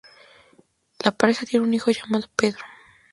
La pareja tiene un hijo llamado Pedro.